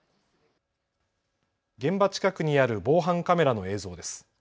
現場近くにある防犯カメラの映像です。